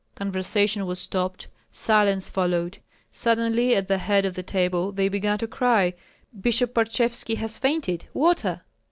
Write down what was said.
Conversation was stopped, silence followed. Suddenly at the head of the table they began to cry: "Bishop Parchevski has fainted! Water!"